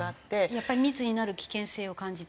やっぱり密になる危険性を感じてる？